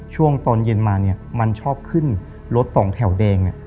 ช่วงตอนเย็นมาเนี่ยมันชอบขึ้นรถสองแถวแดง